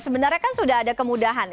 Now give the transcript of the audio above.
sebenarnya kan sudah ada kemudahan